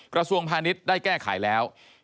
กระทรวงพาณิชย์ได้แก้ไขแล้ว